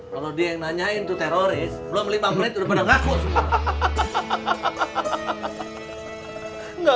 kalau dia yang nanyain itu teroris belum lima menit udah bener ngaku semua